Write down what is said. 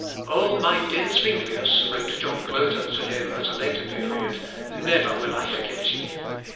"Oh, my dear Zuinglius!" wrote John Glother to him at a later period, "never will I forget you.